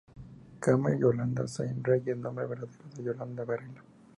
Carmen Yolanda Sainz Reyes, nombre verdadero de Yolanda Varela.